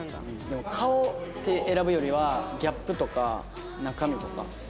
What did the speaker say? でも顔で選ぶよりはギャップとか中身とか。